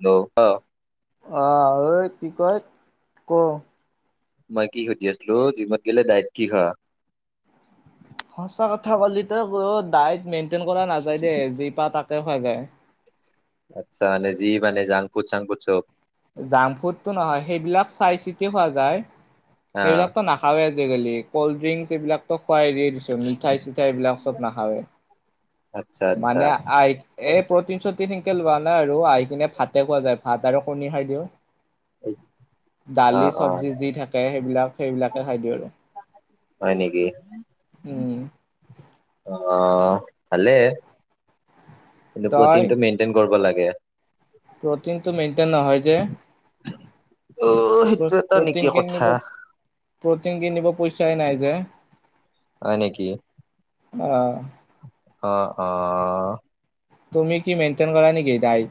হ অ অ ঐ কি কয় ক মই কি সতি আছিলো জুমত গেলে দায়িত কি হা সঁচা কথা ক'লি ত দায় মেইনটেইন কৰা নাযায় দেই যি পা তাকে খোৱা যায় আচ্ছা মানে যি মানে জঝং ফুজ চাংফুট চব জাংক ফুডটো নহয় সেইবিলাক চাই চিতি খোৱা যায় হা সেইবিলাকতো নাখাৱেই আজিকালি কল্ড ড্ৰিংক এইবিলাকো খুৱাই দিয় দিছো মিঠাই চিঠাইবিলাক চব নাখাৱেই আচ্ছা আচ্ছা মানে আহ এই প্ৰতিন সতিন এই লোৱা নাই আৰু আহি কিনে ভাতে খোৱা যায় ভাত আৰু কণী খাই দিওঁ অ দালি অ চবজি যি থাকে সেইবিলাক সেইবিলাকে খাই দিওঁ আৰু হয় নেকি উম। অ ভালে কিন্তু তই প্ৰটিনটো মেইনটেইন কৰিব লাগে প্ৰটিনটো মেইনটেইন নহয় যে অ সেইটো এটা নেকি প্ৰটিন কথা কিনিব প্ৰটিন কিনিব পইচাই নাই যে হয় নেকি আহ অ অ তুমি কি মেন্থনগাৰী ঘেতাই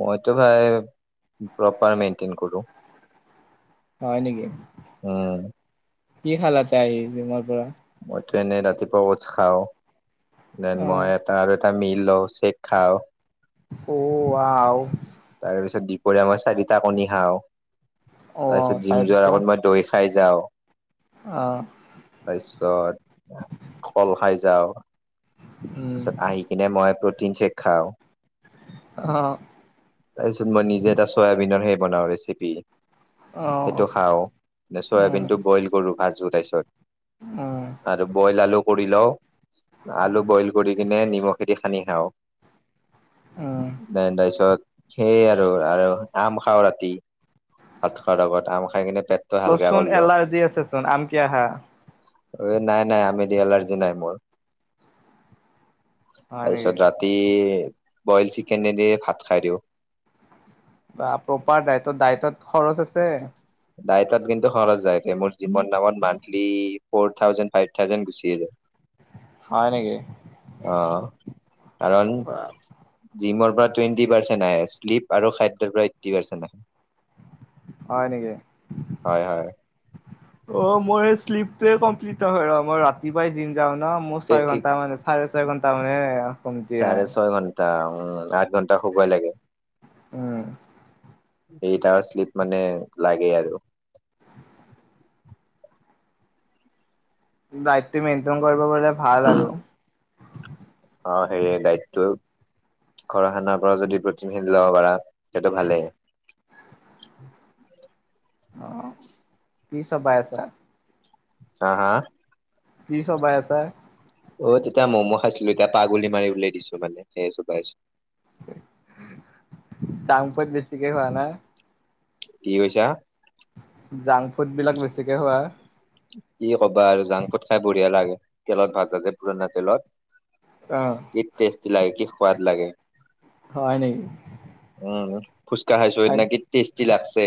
মইতো ভাই প্ৰপাৰ মেইনটেইন কৰো হয় নেকি উম কি খালাতে আহিছি মৰ পৰা নে ৰাতিপুৱা কোচ খাও দেন অ মই এটা আৰু তামি লো শে খাও অ আও তাৰপিছত দপৰীয়া আমই চাৰিটা কণী খাওঁ তাৰপিছত জিম যোৱাৰ আগত মই দৈ খাই যাওঁ অ তাৰপিছত কল খাই যাওঁ উম তাৰপিছত আহি কিনে মই আকৌ প্ৰটিন চেক খাওঁ অ তাৰপিছত মই নিজে এটা চয়াবিনৰ সে বনাওঁ ৰেচিপি অ সেইটো খাও উম চয়াবিন টো বইল কৰো ভাত জো তাইছত উম আৰু বইল আলু কৰি লও আলু বইল কৰি কিনে নিমখ খেদি সানি খাওঁ উম তাৰপিছত সেই আৰু আৰু আম খাও ৰাতি ভাত খোৱাৰ আগত আম খাই কিনে পেটটো উ হালকা অচোন কৰিলো এলাৰ্জি আছে চোন আম কি আহা এই নাই নাই আমি দি এলাৰ্জি নাই মোৰ হয় নেকি তাৰপিছত ৰাতি বইল চিকেনদিয়ে ভাত খাই দিওঁ বা প্ৰপাৰ দাইটত খৰচ আছে াইটাত কিন্তু সৰ যায় মোৰি দামত মানল ফ থ ফ থ হয় নেকি অ কাৰণ জিমৰ টুৱেন্টি পাৰ্চেন্ত আহে্ শ্লিপ আৰু খাদ্যৰ পৰা এইটী পাৰ্চেণ্ট আহে হয় নেকি হয় হয় অ মোৰ এই শ্লিপটোৱে কমপ্লিট নহয় ৰ মই ৰাতিপুৱাই জিম যাওঁ ন মোৰ ছয় ঘন্টা মানে চাৰে ক ত মে কমতি হে এ উম আঠ ঘন্টা শুবাই লাগে উম এইটাৰ শ্লিপ মানে লাগে আৰু ডাইটটো মেইনটেইন কৰিব পলে ভাল আৰু অ সে দায়িতটো ঘৰ খানাৰ পৰা যদি প্ৰটিনহিন লব পাৰা সেইটো ভালেই অ কি চবাই আছা হ হা কি চবাই আছা অ তেতিয়া ম'ম' খাইছিলো এতিয়া পাগলী মাৰি উলাই দিছো মানে সেইোাই চাংপত বেছিকেই খোৱা না কি কৈছা জাংক ফুড বিলাক বেছিকে হোৱা কি কবা আৰু জাংক ফুড খাই বঢ়িয়া লাগে তেলত ভাজা যে পুৰণা তেলত অ' কি টেষ্টি লাগে কি সোৱাদ লাগে হয় নেকি উম, ফুচকা খাইছো স নেকি টেষ্টি লাগছে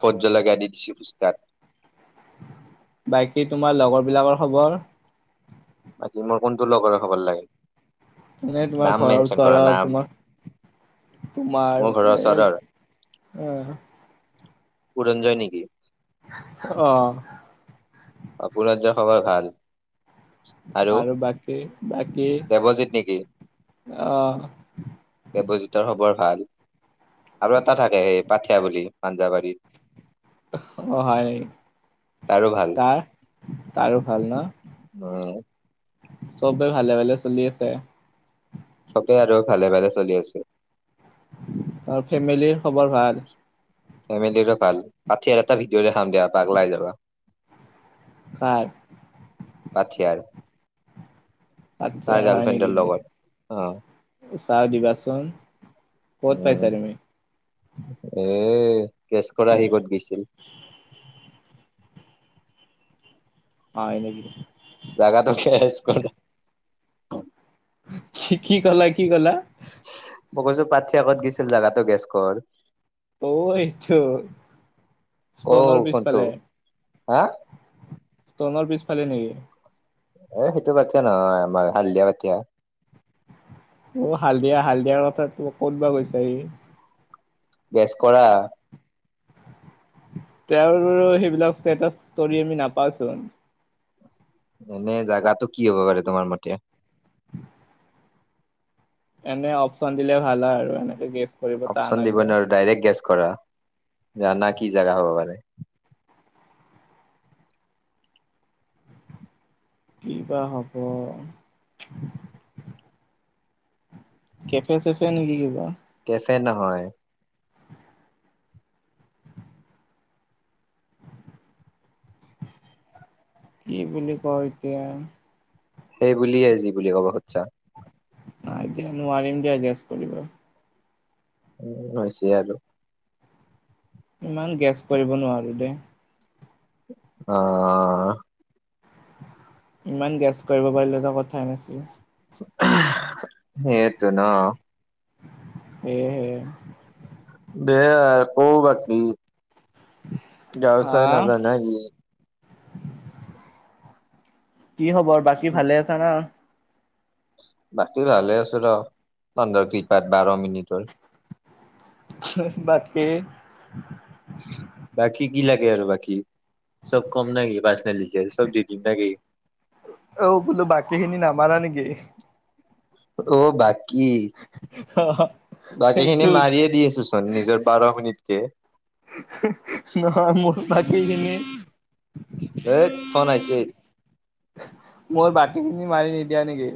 ভট জ্বলকা দি দিছো ফুচকাত। বাকী তোমাৰ লগৰ বিলাকৰ খবৰ। বাকী মোৰ কোনটো লগৰ খবৰ লাগে। এনেে তোমাৰ নাম ঘৰৰ মেনচন কৰা ওচৰা নাম তোমাৰ মোৰ তোমাৰ ঘৰৰ এ ওচৰৰ হ, পুৰঞ্জয় নেকি? আহ অ পুৰঞ্জয় খবৰ ভাল। আৰু বাকী বাকী দেৱজিত নেকি আহ, দেৱজিতৰ খবৰ ভাল আৰু এটা থাকে স পাঠিয়া বুলি পাঞ্জাবাৰীত অ, হয়, তাৰো ভাল তাৰো ভাল ন উম চবেই ভালে ভালে চলি আছে। সবেই আৰু ভালে ভালে চলি আছে। ত ফেমিলিৰ খবৰ ভাল। ফেমিলিৰো ভাল পাঠি আৰু এটা ভিডিঅ' দেখাম দিয়া পলাই যাবা। হয়। পথাৰ। পাঠিয়াৰ হয় লগত অ নেকি উচাও দিবাচোন? ক'ত পাইছা উম, তুমি? এ গেছ কৰা সি কত গৈছিল? হয় নেকি জাগাটোক স্কুল সি কি কলে কি কলা মগৈজো পাৰ্থীৰ আগত গৈছিল জেগাটো গেছকৰ? অ, এইটো অ ষ্টনৰ কোনটো পিছফালে হা ষ্টনৰ পিছফালে নেকি? এ সেইটো বাটচা নহয় আমাৰ হাল্দিয়া পাতিয়া। অ, হালদিয়া হালদিয়াৰ কথা তো ক'ত বা কৈছা ইি। গেছ কৰা। তেওঁৰ সেইবিলাক ষ্টেটাচ ষ্ট আমি নাপাচোন। এনে জাগাতটো কি হব পাৰে তোমাৰ মতে? এনে অপচন দিলে ভাল হয় আৰু এনেকে গে অপচন দিব নোৱাৰ আৰু ডাইৰেক্ট গেছ কৰা জা কি জাগা হব পাৰে। কি বা হব। কেফে চেফে নেকি কিবা? কেফে নহয়। কি বুলি কয় এতিয়া। সেই বুলিয়েই যি বুলি কব খোজ্ছা। নাই দিয় নোৱাৰিম দিয়া গেছ কৰিবা। উম, হৈছে আৰু ইমান গেছ কৰিব নোৱাৰো দেই আহ, ইমান গেছ কৰিব পাৰিলেটো কথাই নাছিল। সেইটো ন। হে, হে, দেয়া ক' বাকী? গাঁৱ হা চাই নাজানে কি? কি খবৰ, বাকী ভালে আছা না। বাকী ভালে আছো তঁহতৰ কৃপাত বাৰ মিনিটৰ বাত কৰে, বাকী কি লাগে আৰু বাকী চব কম নেকি গি বাচ ন লজে চব দিদি ন গি [unintelligible] অ' বোলো বাকী খিনি নামাৰা নেকি? অ' বাকী কি বাকী খিনি সেইটোত মাৰিয়ে দি আছো চোন নিজৰ বাৰ শিনিিতকে নহয়, মোৰ বাকীখিনি, ধেত ফোন আহিছে মোৰ, বাকী খিনি মাৰি নিদিয়া নেকি?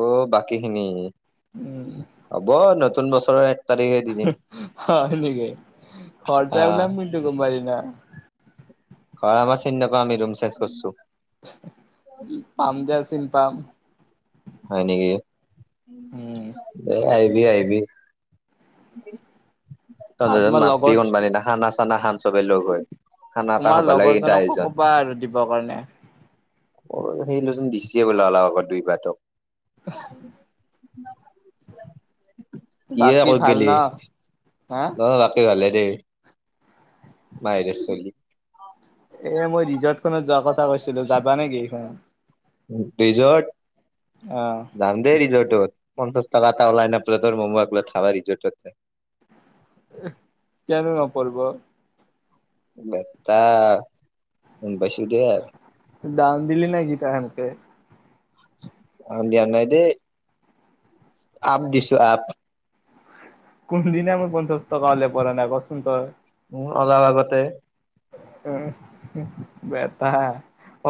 অ বাকী খিনি উম হব নতুন বছৰে হয় নেকেই, ঘৰ যাই আহ পেলাই মোৰ চকুৰ পানী নাই। ক মাৰ চ নাপ আি ৰুম চেজ কৰিছো [unintelligible] পাম দিয়া আছিল পাম, হয় নেকি উম আহিবি, আহিবি, আৰু তহঁতৰ তোমাৰ মাতি লগৰ কন নিনাখ না [unintelligible] চানা খাম চবেই লৈ গৈ। তোমাৰ লগৰজনকো কোবা আৰু দিব কাৰণে [unintelligible] সেইলোচন দিচিয়ে গ'ল অলপ আকৌ দুই বাৰটক। কি এ বাকী কত ভাল গি ন? হা ন বাকী ভালে [unintelligible] [unintelligible] বাহিৰে চলি। এ মই ৰিজৰ্টখনত যোৱাৰ কথা কৈছিলো যাবা নেকি এইখন ডিজট। ধামদে ৰিজটত পঞ্চাশ টাকা এটা ওলাই পঞ্চাশ মমো একপিলেট খাব ৰিজেট ত যাই। [unintelligible] বেটা বেছি দে আৰু। জান দিল নাই কিি ত সনকে [unintelligible] অ দিয়া নাই দেই, আপ দিছো আপ। কোনন্দ দিি নাই মই প চস্তকওলে প নাই কচোন ত [unintelligible] উ অলপ আগতে। উম বটা [unintelligible]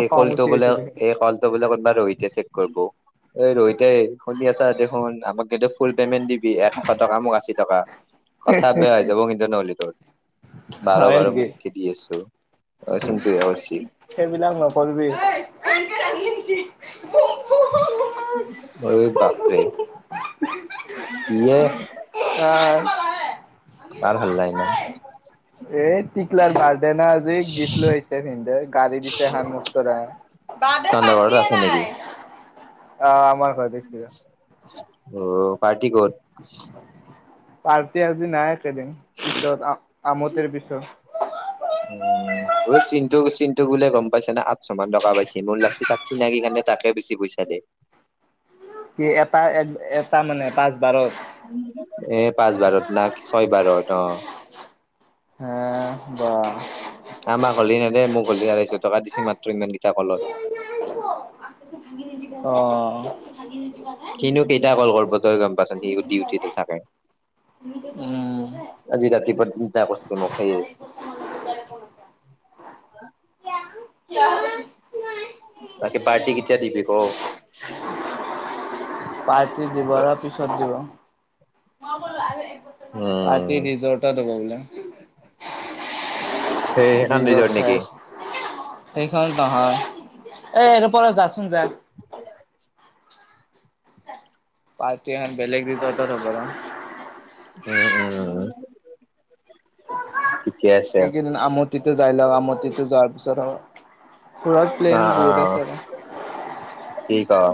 এই কলটো বোলে এই কলটো বোলে কোনবা ৰহতি চেক কৰিব [unintelligible] এই ৰোহতে শুনি আছা, [unintelligible] দেখোন আমাক কিন্তু ফুল পেমেণ্ট দিবি এশ টকা মোক আশী টকা। কথা বেয়া হৈ যাব কিন্তু নহ'লে তোৰ। বাৰ হয় বাৰ নেকি মিনিটকে দি আছো অ চন্তন্তুে উচিত [unintelligible] সেইবিলাক নকৰিবি। ৰাে কিে [unintelligible] ম আমি ইমান আছাই [unintelligible] এই টিকলাৰ বাৰডে না আজি গিফ্ট লৈ আহিছে সদ গাড়ী দিছে হ মস্তৰা [unintelligible] বাৰ্থ ডে তহঁতৰ ঘৰত পাৰ্টেই আছে নেকি? নাই। আমাৰ ঘৰত দিছিল অ পাৰ্টিিকত [unintelligible] পাৰ্টি আজি নাই একেইদিন পিছত যাম আমটিৰ পিছত। অ [unintelligible] অ চিনৃঋ [unintelligible] চিনন্তু বোলে গম পাইছে না আঠশ মান টকা পাইছে মোৰ লাগ তাক চিনাকি কাৰণে তাকে বেছি পইচা ে [unintelligible] কি এটা, এটা মানে পাঁচটা এ পাঁচ বাৰত ন ছয় বাৰত অ [unintelligible] হা বা আমাক হ'লেি নে দেে মোক হলেি আঢ়ৈশ টকা দিছে মাত্ৰ ইমানকেইটা কলত অ সিনও কেইটা কল কৰিব তই গম পাচোন সি ডিউটিতে থাকে উম আজি ৰাতি প চিন্তা কৰছে ম খাই আ ক বাকী পাৰ্টি কেতিয়া দিবি ক? পাৰ্টি দিব আৰু পিছত দিব উম, পাৰটি ৰিজৰ্টত হব বোলে সেই সেইখন ৰিজৰ্ট খাই নেকি? আছো সেইখন নহয় এ এ পৰা যাচোন যাক আ পাৰ্টি বেলেগ দিছ অট থ ব উম উম ঠিকে আছে আৰু এইকেইদিন আমটিতো যাই ল আমতিটো যোৱাৰ পিছত হ থ প্লেন অ', বোট আ চাৰ অঁ,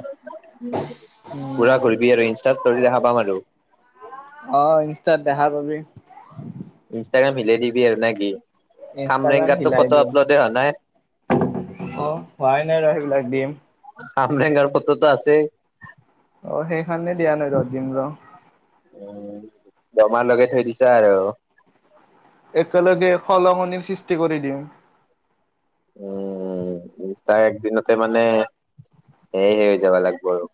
পূৰা ঘূৰিবি আৰু ইনষ্টাত ষ্টৰি দেখা পাম আৰু। অ ইনষ্টাত দেখা পাবি। বিয়েৰ নে কি? ইনষ্টাগ্ৰাম কামৰেংগাতটো হিলাই ফটো দিম আপলোডে হোৱা নাই? অ' হোৱাই নাই ৰহ সেইবিলাক দিম। কামৰেংগাৰ ফটোটো আছেই। অ সেইখনহে দিয়া নাই ৰহ দিম ৰহ। উম দৰমহাৰ লগে থৈ দিছা আৰু একেলগে সলঙনিৰ সৃষ্টি কৰি দিম উম তাৰ একদিনতে মানে সেয় হে হৈ যাবা লাগব আৰু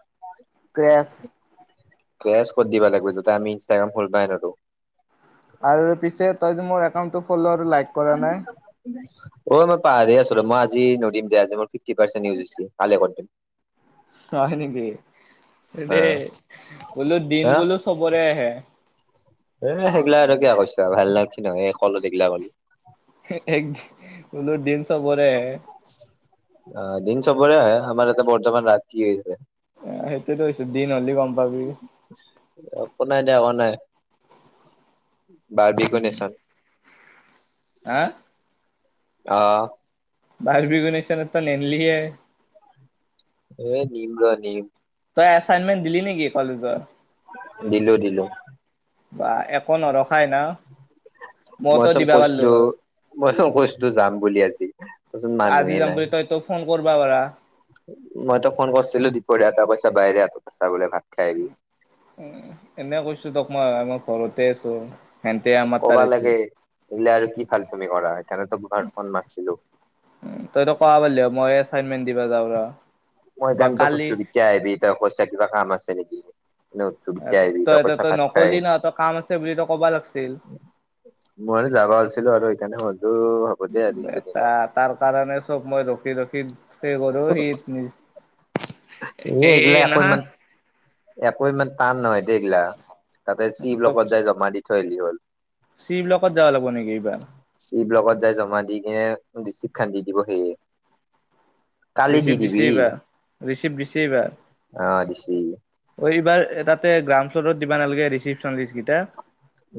ক্ৰেছ প্ৰেছ ক দিব লাগিব যাতে আমি ইনষ্টাগ্ৰাম খুলবাই নো আৰু পিছে তই মোৰউ ফল আৰু ল কৰা নাই অ মই পাহ আছিলো মই আজি নম দে মোৰ ফিফটি পাৰজাল দিম হয় নেকি অ দেই বোলো দিন হা বোলো চবৰে আহে এ সেইগিলা আৰু কিয়া কৈছা? ভাল লাগছি নহয় এই কলত এইগিলা কলি একদ বোলো দিন চবৰে আহে। অঁ দিন চবৰে আহে আমাৰ ইয়াতে বৰ্তমান ৰাতি হৈ আছে। সেইটোৱেটো কৈছো দিন হ'লে গম পাবি। একো নাই দে একো নাই, বাৰ বি কিউ নেচন হা! অঁ বাৰ বি কিউ নেচনত ত নেনলি এ এ নিম ৰহ নিম। তই এছাইনমেণ্ট দিলি নেকি কলেজৰ? দিলো দিলো বা একো নৰখাই ন? মইচোন কৈছিলো। মইচোন কৈছিলো যাম বুলি আজি তাৰপাছত আজি মানুহে যাম নাই। বুলি তইতো ফোন কৰবা পাৰা মইতো ফোন কৰিছিলো দিপৰীয়া তই কৈছা বায়েৰেহঁতত আছে বোলে ভাত খাই আহিবি উম এনে কৈছো তোক মই আমাৰ ঘৰতে আছো সেনতে ক আমাৰ তাৰ কবা আছি লাগে এইগিলা আৰু কি ফালতামি কৰা সেইকাৰণে তোক মই ফোন মাৰছিলো। তইতো ক'ব পাৰিলি হয় মই এছাইনমেন্ট দিব যাওঁ ৰহ মই টাইমটো সুধিছো কেতিয়া আহিবি? তই কৈছ কিবা কাম আছে নেকি। এনে সুধিছো কেতিয়া আহিবি? তই এ কৈছ ভাত খাই নকলি আহিম। ন তই কাম আছে বুলি তই ক'বা লাগছিল মইও যাব আছিলো আৰু সেইকাৰণে হ'ল। বেটা তাৰ কাৰণে চব মই ৰখি ৰখি সেই কৰো সেই ন এ এইগিলা একো ইমান একো ইমান টান নহয় দে এইগিলা তাতে চি ত ব্লকত যাই জমা দি থৈ আহিলি হ'ল। চি ব্লকত যাব লাগিব নেকি এইবাৰ চি ব্লকত যাই জমা দি কিনে ৰিচিপ্ট খান দি দিব সেয়ে। কালি দি ৰিচিপ্ট দিছে দিবি এইবাৰ ৰিচিপ্ট দিছে এইবাৰ অ' দিছি অ এইবাৰ তাতে গ্ৰাউণ্ড ফ্ল'ৰত দিবা নালাগে ৰিচিপ্টচন লিষ্ট কেইটা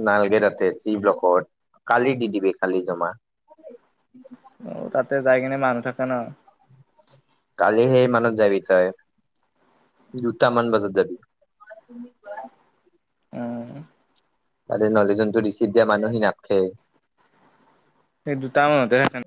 নালগে তাতে চি ব্লকত, কালি দি দিবি কালি জমা। অ তাতে যাই কিনে মানুহ থাকে ন? কালি হেই মানত যাবি তই দুটা মান বাজত যাবি। উম তাৰে নলে যটো ৰিচিভ দিয়া মানুহে নাখে সেই দুটা মানতে